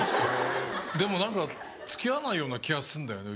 でも何か付き合わないような気がすんだよね。